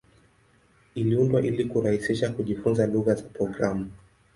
Iliundwa ili kurahisisha kujifunza lugha za programu.